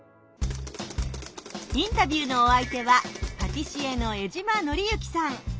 インタビューのお相手はパティシエの江島則之さん。